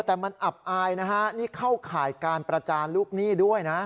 แต่มันอับอายนะฮะนี่เข้าข่ายการประจานลูกหนี้ด้วยนะ